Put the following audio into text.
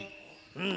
うん！